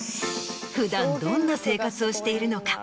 普段どんな生活をしているのか？